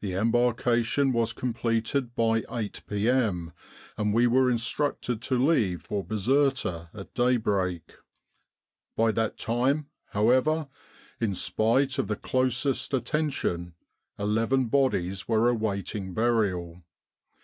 The embarkation was completed by 8 p.m., and we were instructed to leave for Bizerta at daybreak. By that time, however, in spite of the closest attention, 43 With the R.A.M.C. in Egypt eleven bodies were awaiting burial.